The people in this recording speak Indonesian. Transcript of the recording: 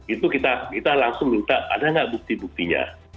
itu kita langsung minta ada nggak bukti buktinya